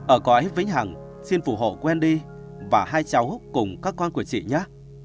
ở cõi vĩnh hằng xin phụ hộ wendy và hai cháu húc cùng các con của chị nhé